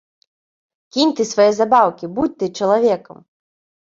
Кінь ты свае забаўкі, будзь ты чалавекам!